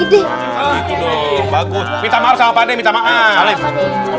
gitu doh bagus minta maaf sama pade